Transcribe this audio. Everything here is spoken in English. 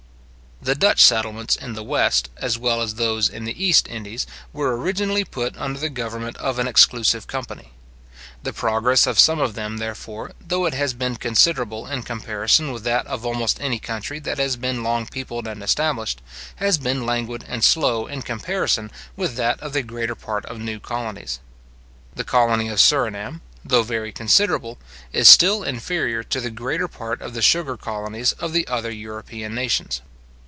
The Dutch settlements in the West, as well as those in the East Indies, were originally put under the government of an exclusive company. The progress of some of them, therefore, though it has been considerable in comparison with that of almost any country that has been long peopled and established, has been languid and slow in comparison with that of the greater part of new colonies. The colony of Surinam, though very considerable, is still inferior to the greater part of the sugar colonies of the other European nations.